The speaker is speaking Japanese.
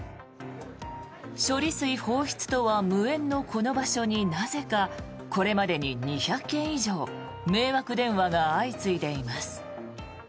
処理水放出とは無縁のこの場所になぜかこれまでに２００件以上迷惑電話が相次いでいます。